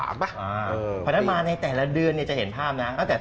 เพราะฉะนั้นมาในแต่ละเดือนจะเห็นภาพนะ